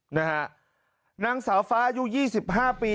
นะฮะนางสาวฟ้าอยู่๒๕ปี